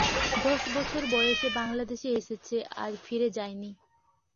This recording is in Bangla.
দশ বছর বয়সে বাংলাদেশে এসেছে, আর ফিরে যায় নি।